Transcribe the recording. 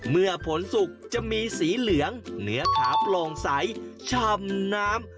เมื่อผลสุกจะมีสีเหลืองเนื้อขาโปร่งใสชำน้ำ